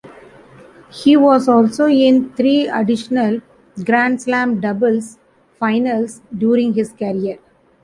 He was also in three additional Grand Slam doubles finals during his career.